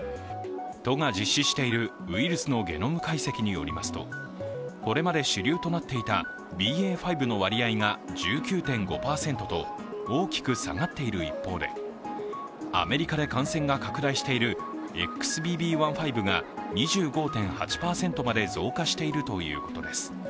都が実施しているウイルスのゲノム解析によりますとこれまで主流となっていたＢＡ．５の割合が１９．５％と大きく下がっている一方でアメリカで感染が拡大しているＸＢＢ．１．５が２５．８％まで増加しているということです。